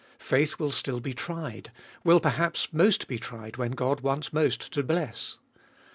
Faith will still be tried, will perhaps most be tried when God wants most to bless.